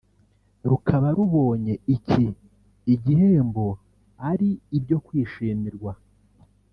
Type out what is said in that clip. rukaba rubonye iki igihembo ari ibyo kwishimirwa